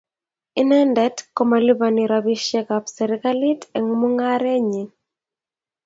Inendet komalipani rabisiek ab serikalit eng mungaret nyin.